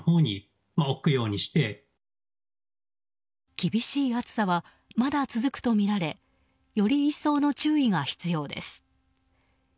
厳しい暑さはまだ続くとみられより一層の注意が必要です。